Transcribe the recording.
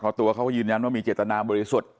เพราะตัวเขาก็ยืนยันว่ามีเจตนาบริสุทธิ์